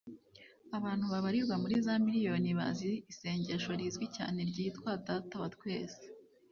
abantu babarirwa muri za miriyoni bazi isengesho rizwi cyane ryitwa data wa twese